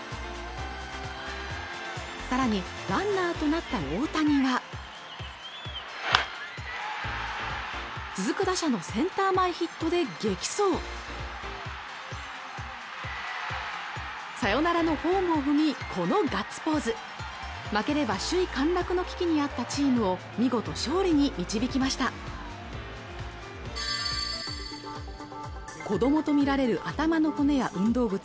さらにランナーとなった大谷は続く打者のセンター前ヒットで激走サヨナラのホームを踏みこのガッツポーズ負ければ首位陥落の危機にあったチームを見事勝利に導きました子どもと見られる頭の骨や運動靴